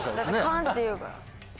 勘って言うから。